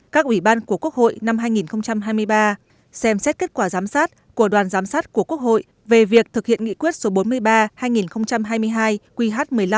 các ủy ban của quốc hội năm hai nghìn hai mươi ba xem xét kết quả giám sát của đoàn giám sát của quốc hội về việc thực hiện nghị quyết số bốn mươi ba hai nghìn hai mươi hai qh một mươi năm